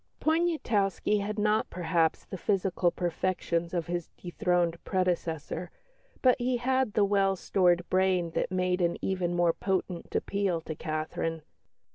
Poniatowski had not perhaps the physical perfections of his dethroned predecessor, but he had the well stored brain that made an even more potent appeal to Catherine.